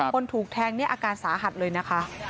คนถูกแทงเนี่ยอาการสาหัสเลยนะคะ